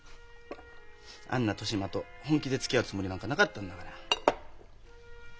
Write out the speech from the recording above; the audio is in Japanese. あんな年増と本気でつきあうつもりなんかなかったんだから。